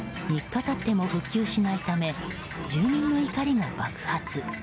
３日経っても復旧しないため住民の怒りが爆発。